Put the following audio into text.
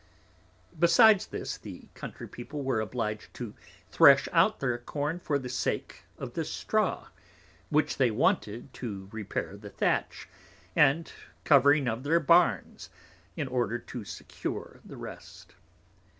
Besides this, the Country People were obliged to thresh out their Corn for the sake of the Straw, which they wanted to repair the Thatch, and covering of their Barns, in order to secure the rest.